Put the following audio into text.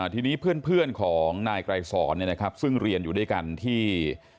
ทีนี้เพื่อนของนายไกรสอนซึ่งเรียนอยู่ด้วยกันที่